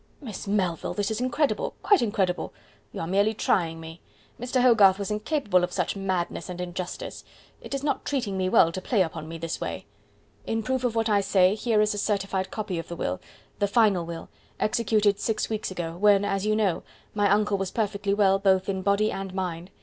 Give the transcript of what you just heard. "Miss Melville, this is incredible quite incredible. You are merely trying me. Mr. Hogarth was incapable of such madness and injustice. It is not treating me well to play upon me in this way." "In proof of what I say, here is a certified copy of the will the final will executed six weeks ago, when, as you know, my uncle was perfectly well both in body and mind.